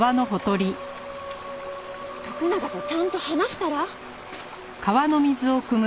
徳永とちゃんと話したら？